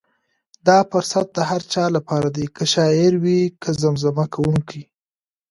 دا فرصت د هر چا لپاره دی، که شاعر وي که زمزمه کوونکی.